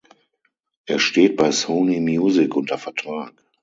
Er steht bei Sony Music unter Vertrag.